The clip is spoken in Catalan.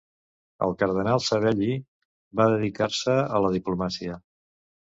El cardenal Savelli va dedicar-se a la diplomàcia.